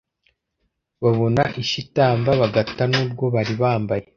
Babona isha itamba Bagatan'urwo bari bambaye.